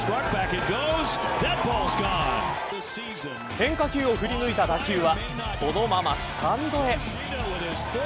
変化球を振り抜いた打球はそのままスタンドへ。